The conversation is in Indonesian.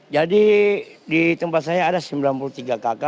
jadi di tempat saya ada sembilan puluh tiga kakak